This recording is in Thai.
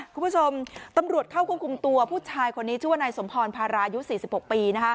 คุณผู้ชมตำรวจเข้าควบคุมตัวผู้ชายคนนี้ชื่อว่านายสมพรพารายุ๔๖ปี